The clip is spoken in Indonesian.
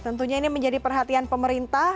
tentunya ini menjadi perhatian pemerintah